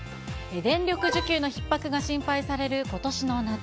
電力需給のひっ迫が心配されることしの夏。